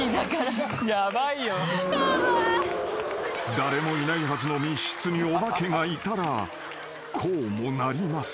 ［誰もいないはずの密室にお化けがいたらこうもなります］